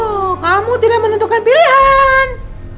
oh kamu tidak menentukan pilihan